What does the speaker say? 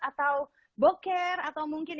atau boker atau mungkin